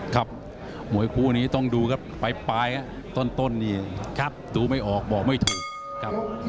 ครับหมวยผู้นี้ต้องดูครับไปปลายต้นดูไม่ออกบอกไม่ถูก